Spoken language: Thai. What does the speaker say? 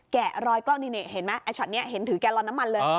แกะรอยกล้องนี่เห็นไหมไอ้ช็อตนี้เห็นถือแกลลอนน้ำมันเลย